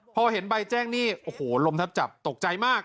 พอเห็นใบแจ้งหนี้โอ้โหลมทับจับตกใจมาก